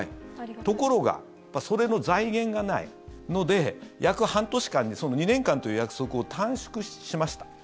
ところが、それの財源がないので約半年間にその２年間という約束を短縮しました。